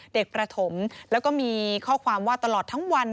ประถมแล้วก็มีข้อความว่าตลอดทั้งวัน